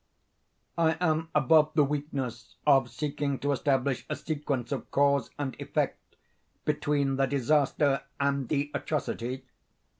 I am above the weakness of seeking to establish a sequence of cause and effect, between the disaster and the atrocity.